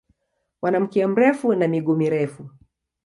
Wana mkia mrefu na miguu mirefu.